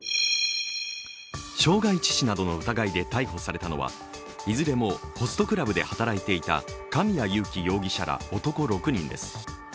傷害致死などの疑いで逮捕されたのは、いずれもホストクラブで働いていた神谷勇輝容疑者ら男６人です。